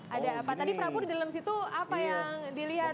ada apa tadi prabu di dalam situ apa yang dilihat